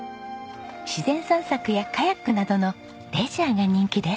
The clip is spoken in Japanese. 自然散策やカヤックなどのレジャーが人気です。